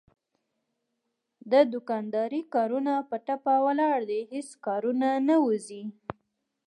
د دوکاندارۍ کارونه په ټپه ولاړ دي هېڅ کارونه نه وځي.